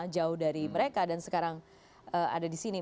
jauh dari mereka dan sekarang ada di sini